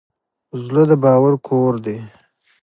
زړه د باور کور دی.